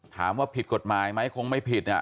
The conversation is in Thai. ถามว่าผิดกฎหมายไหมคงไม่ผิด